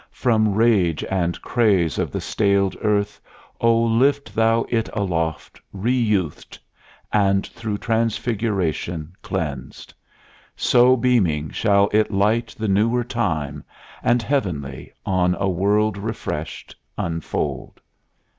From rage and craze Of the staled Earth, O lift Thou it aloft, Re youthed, and through transfiguration cleansed; So beaming shall it light the newer time, And heavenly, on a world refreshed, unfold.